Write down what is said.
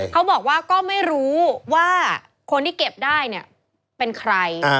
เขาบอกว่าก็ไม่รู้ว่าคนที่เก็บได้เนี่ยเป็นใคร